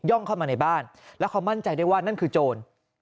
เข้ามาในบ้านแล้วเขามั่นใจได้ว่านั่นคือโจร